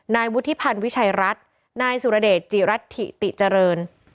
นายวุฒิพันธ์วิชัยรัฐนายสุรเดชจิรัฐธิติเจริญ